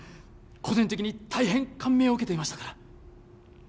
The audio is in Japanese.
個人的に大変感銘を受けていましたから